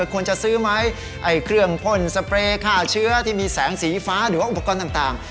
ควรจะซื้อไหมไอ้เครื่องพ่นสเปรย์ฆ่าเชื้อที่มีแสงสีฟ้าหรือว่าอุปกรณ์ต่าง